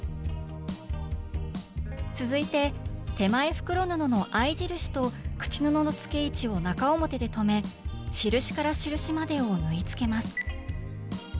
続いて手前袋布の合い印と口布の付け位置を中表で留め印から印までを縫いつけます